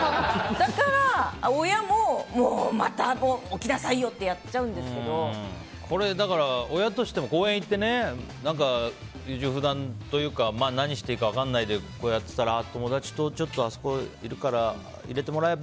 だから、親ももう、また起きなさいよ！ってだから親としても公園へ行って優柔不断というか何していいか分からないでいたら友達、あそこにいるから入れてもらえば？